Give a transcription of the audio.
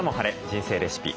人生レシピ」。